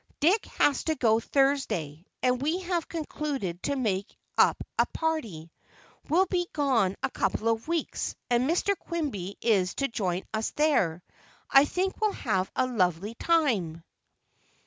Dick has to go Thursday, and we have concluded to make up a party. We'll be gone a couple of weeks, and Mr. Quimby is to join us there. I think we'll have a lovely time."